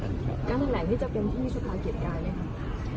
การแขนงแหล่งที่จะเป็นผู้นี้สุขาเกียจกายไหมครับ